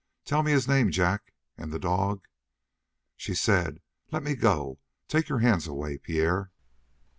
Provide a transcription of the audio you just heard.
"Tell me his name, Jack, and the dog " She said: "Let me go. Take your hands away, Pierre."